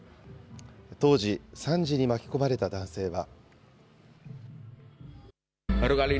当時、惨事に巻き込まれた男性は。